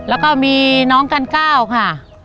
แล้วก็มีน้องกันก้าวค่ะ